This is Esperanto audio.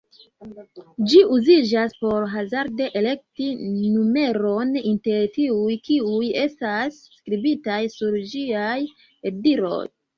Ĝi uziĝas por hazarde elekti numeron inter tiuj kiuj estas skribitaj sur ĝiaj edroj.